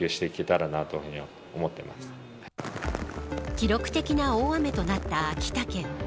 記録的な大雨となった秋田県